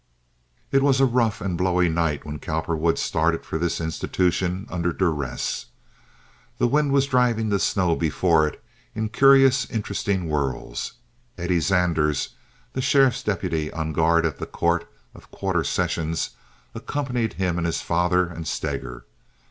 It was a rough and blowy night when Cowperwood started for this institution under duress. The wind was driving the snow before it in curious, interesting whirls. Eddie Zanders, the sheriff's deputy on guard at the court of Quarter Sessions, accompanied him and his father and Steger.